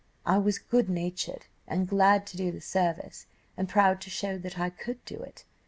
I was good natured and glad to do the service, and proud to show that I could do it.